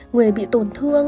người bị tổn thương